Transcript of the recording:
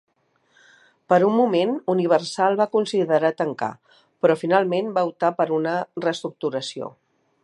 Per un moment, Universal va considerar tancar, però finalment va optar per una reestructuració.